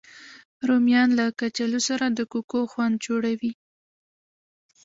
رومیان له کچالو سره د کوکو خوند جوړوي